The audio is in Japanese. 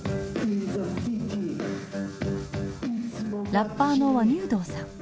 ラッパーの輪入道さん。